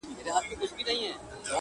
لعنتي د بنده گانو او بادار سوم٫